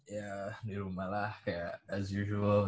ya di rumah lah kayak as usual